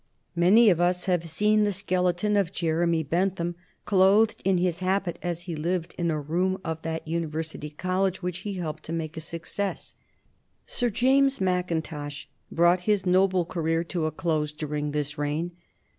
Many of us have seen the skeleton of Jeremy Bentham clothed in his habit as he lived in a room of that University College which he helped to make a success. Sir James Mackintosh brought his noble career to a close during this reign.